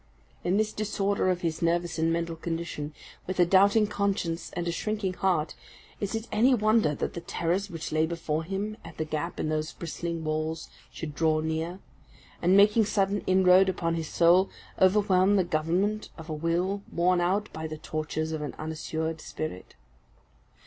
In this disorder of his nervous and mental condition, with a doubting conscience and a shrinking heart, is it any wonder that the terrors which lay before him at the gap in those bristling walls, should draw near, and, making sudden inroad upon his soul, overwhelm the government of a will worn out by the tortures of an unassured spirit?